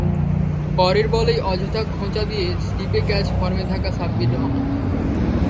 পরের বলেই অযথা খোঁচা দিয়ে স্লিপে ক্যাচ ফর্মে থাকা সাব্বির রহমান।